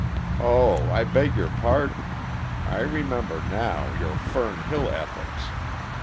"Oh, I beg your pardon. I remember, now, your Fern Hill ethics.